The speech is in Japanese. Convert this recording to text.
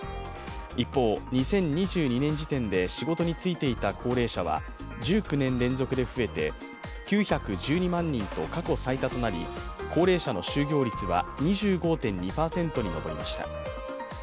一方、２０２２年時点で仕事に就いていた高齢者は１９年連続で増えて、９１２万人と過去最多となり、高齢者の就業率は２５．２％に上りました。